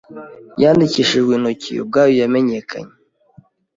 yandikishijwe intoki ubwayo yamenyekanye